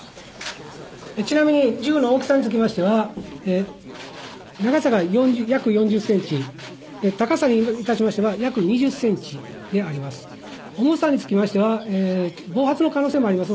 ちなみに銃の大きさにつきましては、長さが約４０センチ、高さにいたしましては、約２０センチであります。